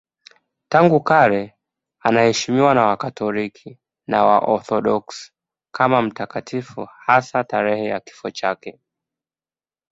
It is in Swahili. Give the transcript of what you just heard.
Tangu kale anaheshimiwa na Wakatoliki na Waorthodoksi kama mtakatifu, hasa tarehe ya kifo chake.